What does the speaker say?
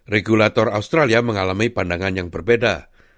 regulator australia mengalami pandangan yang berbeda